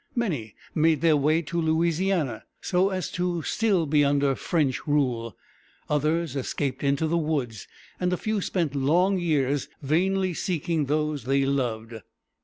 Many made their way to Louisiana, so as to be still under French rule; others escaped into the woods; and a few spent long years vainly seeking those they loved.